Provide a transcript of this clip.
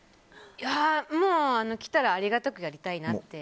もう、来たらありがたくやりたいなって。